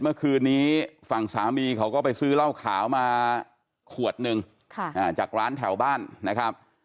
เมื่อคืนนี้ฝั่งสามีเขาก็ไปซื้อเหล้าขาวมาขวดหนึ่งจากร้านแถวบ้านนะครับ